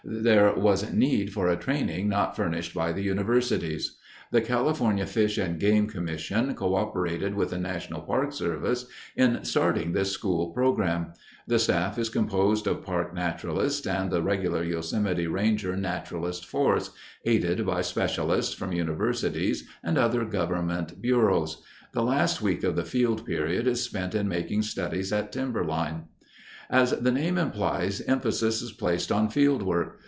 There was need for a training not furnished by the universities. The California Fish and Game Commission coöperated with the National Park Service in starting this school program. The staff is composed of park naturalists and the regular Yosemite ranger naturalist force, aided by specialists from universities and other government bureaus. The last week of the field period is spent in making studies at timberline. As the name implies, emphasis is placed on field work.